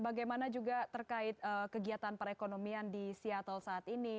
bagaimana juga terkait kegiatan perekonomian di seattle saat ini